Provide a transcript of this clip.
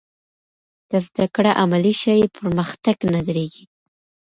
که زده کړه عملي شي، پرمختګ نه درېږي.